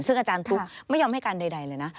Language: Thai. ซึ่งอาจารย์ตุ๊กไม่ยอมให้การใดเลยนะ